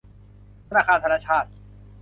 ธนาคารธนชาต